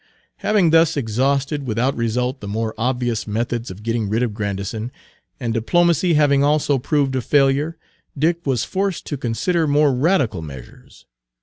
Having thus exhausted without result the more obvious methods of getting rid of Grandison, and diplomacy having also proved a failure, Dick was forced to consider more radical measures.